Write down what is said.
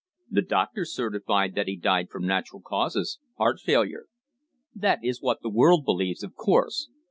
"The doctors certified that he died from natural causes heart failure." "That is what the world believes, of course.